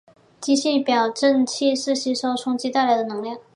机械表避震器就是吸收冲击带来的能量。